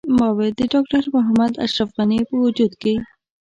ما ویل د ډاکټر محمد اشرف غني په وجود کې.